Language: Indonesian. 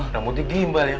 rambutnya gimbal ya